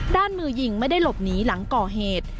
มือยิงไม่ได้หลบหนีหลังก่อเหตุ